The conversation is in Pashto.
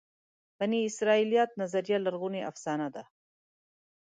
بني اسرائیلیت نظریه لرغونې افسانه ده.